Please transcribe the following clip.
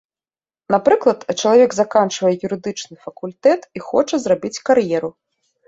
Напрыклад, чалавек заканчвае юрыдычны факультэт і хоча зрабіць кар'еру.